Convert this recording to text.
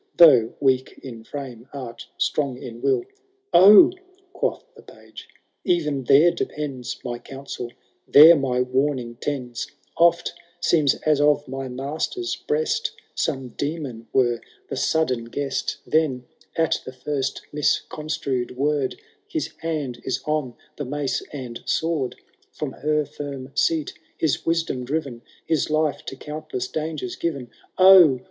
Though weak in frame, art strong in will.— Oh I quoth the page, ^ even there depends My counsel— there my warning tends — Oft seems as of my master^i breast . Some demon were the sudden guest ; Canio III. habold thb dauntlbss. 151 Then at the fint miscontrued word His hand is on the mace and swoid. From her firm seat his wisdom driven, HiB life to countless dangers given.— O !